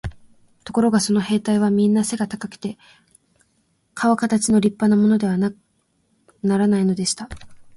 ところがその兵隊はみんな背が高くて、かおかたちの立派なものでなくてはならないのでした。